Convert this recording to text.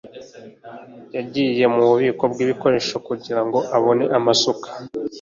Yagiye mububiko bwibikoresho kugirango abone amasuka.